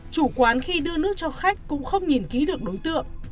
chủ quán khi đưa nước cho khách cũng không nhìn ký được đối tượng